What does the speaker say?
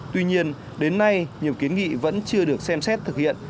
tuy nhiên đến nay nhiều kiến nghị vẫn chưa được xem xét thực hiện